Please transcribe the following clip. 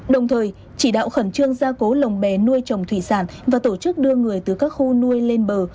đồng thời chỉ đạo khẩn trương gia cố lồng bé nuôi trồng thủy sản và tổ chức đưa người từ các khu nuôi lên bờ